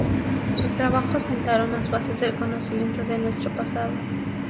Sus trabajos sentaron las bases del conocimiento de nuestro pasado.